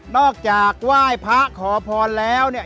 จากไหว้พระขอพรแล้วเนี่ย